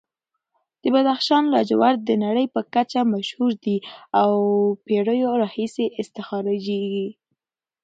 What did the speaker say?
د بدخشان لاجورد د نړۍ په کچه مشهور دي او د پېړیو راهیسې استخراجېږي.